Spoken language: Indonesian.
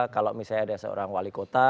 kalau misalnya ada seorang wali kota